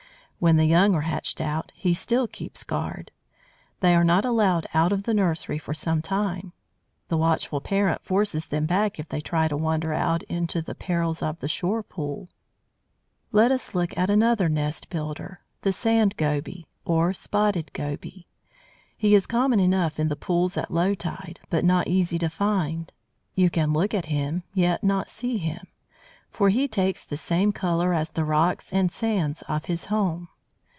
When the young are hatched out he still keeps guard. They are not allowed out of the nursery for some time. The watchful parent forces them back if they try to wander out into the perils of the shore pool. [Illustration: Photo: A.F. Dauncey. SKATE'S EGG CASE] Let us look at another nest builder the Sand Goby, or Spotted Goby, He is common enough in the pools at low tide, but not easy to find. You can look at him, yet not see him! For he takes the same colour as the rocks and sands of his home.